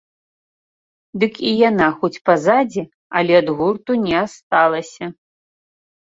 Дык і яна хоць па задзе, але ад гурту не асталася.